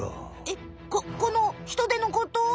えっここのヒトデのこと？